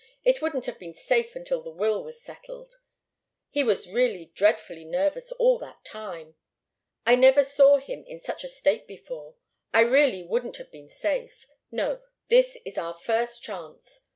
It wouldn't have been safe until the will was settled. He was really dreadfully nervous all that time. I never saw him in such a state before. It really wouldn't have been safe. No this is our first chance.